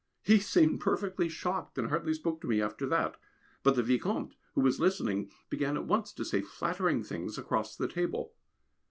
He seemed perfectly shocked, and hardly spoke to me after that, but the Vicomte, who was listening, began at once to say flattering things across the table.